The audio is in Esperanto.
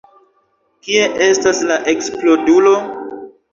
Kie estas la eksplodulo?